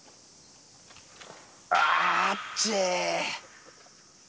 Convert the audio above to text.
あっちぃ。